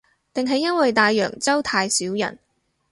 定係因為大洋洲太少人